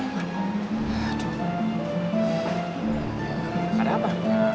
gak ada apa